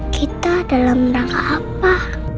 kita dalam rangka apa